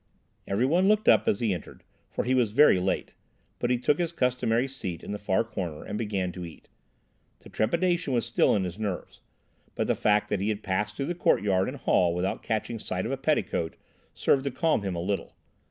Every one looked up as he entered, for he was very late, but he took his customary seat in the far corner and began to eat. The trepidation was still in his nerves, but the fact that he had passed through the courtyard and hall without catching sight of a petticoat served to calm him a little.